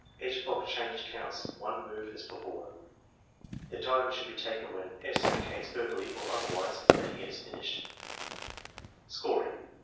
Each block changed counts one move as before. The time should be taken when g, indicates verballjr or otherwise that he b^ finieh^d, EXAMINER'S GUIDE 107 Scoring.